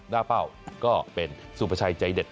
เป้าก็เป็นสุภาชัยใจเด็ด